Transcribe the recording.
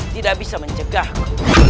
tidak bisa mencegahku